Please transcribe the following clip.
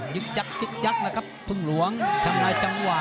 ยึกยักยักนะครับพึ่งหลวงทำร้ายจังหวะ